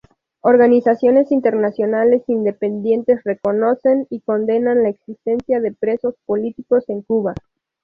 Organizaciones internacionales independientes reconocen y condenan la existencia de presos políticos en Cuba.